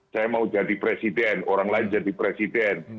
saya mau jadi presiden orang lain jadi presiden